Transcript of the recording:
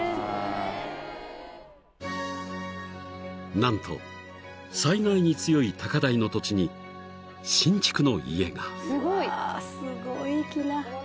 ［何と災害に強い高台の土地に新築の家が］